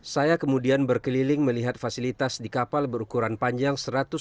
saya kemudian berkeliling melihat fasilitas di kapal berukuran panjang satu ratus delapan meter